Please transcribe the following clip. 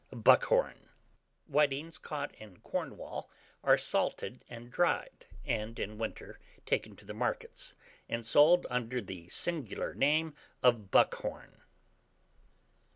Buckhorn. Whitings caught in Cornwall are salted and dried, and in winter taken to the markets, and sold under the singular name of "Buckhorn."